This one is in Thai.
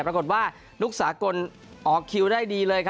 ปรากฏว่านุกสากลออกคิวได้ดีเลย